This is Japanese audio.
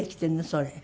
それ。